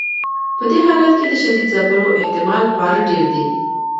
په دې حالت کې د شدید ځپلو احتمال خورا ډیر دی.